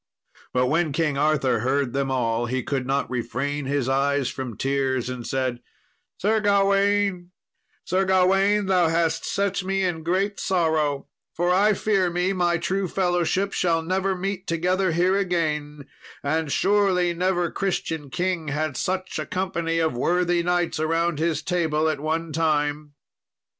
But when King Arthur heard them all, he could not refrain his eyes from tears, and said, "Sir Gawain, Sir Gawain, thou hast set me in great sorrow, for I fear me my true fellowship shall never meet together here again; and surely never Christian king had such a company of worthy knights around his table at one time."